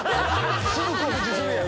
すぐ告知するやん。